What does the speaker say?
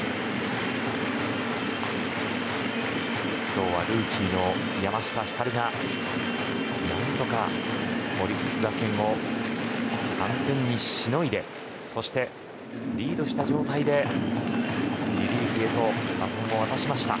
今日はルーキーの山下輝が何とかオリックス打線を３点にしのいでそしてリードした状態でリリーフへとバトンを渡しました。